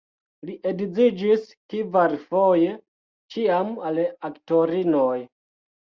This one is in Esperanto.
Li edziĝis kvarfoje, ĉiam al aktorinoj.